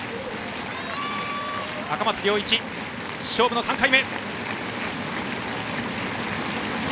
赤松諒一、勝負の３回目！